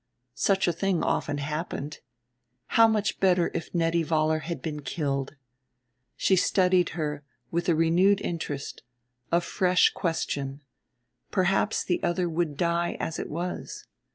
Such a thing often happened. How much better if Nettie Vollar had been killed! She studied her with a renewed interest a fresh question. Perhaps the other would die as it was.